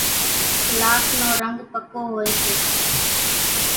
لاک نو رنڳ پڪو هوئيَ سي۔